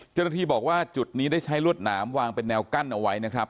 เจ้าหน้าที่บอกว่าจุดนี้ได้ใช้รวดหนามวางเป็นแนวกั้นเอาไว้นะครับ